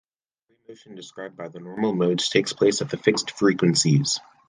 The free motion described by the normal modes takes place at the fixed frequencies.